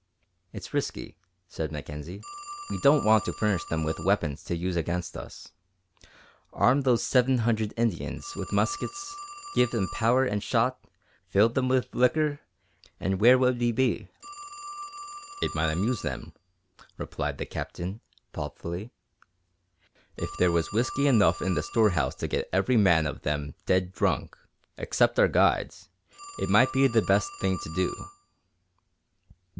"It's risky," said Mackenzie. "We don't want to furnish them with weapons to use against us. Arm those seven hundred Indians with muskets, give them powder and shot, fill them up with liquor, and where would we be?" "It might amuse them," replied the Captain, thoughtfully. "If there was whiskey enough in the storehouse to get every man of them dead drunk, except our guides, it might be the best thing to do."